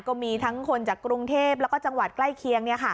ก็มีทั้งคนจากกรุงเทพแล้วก็จังหวัดใกล้เคียง